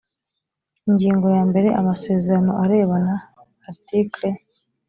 ingingo yambere amasezerano arebana article